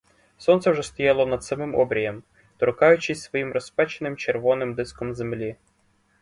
Сонце вже стояло над самим обрієм, торкаючись своїм розпеченим червоним диском землі.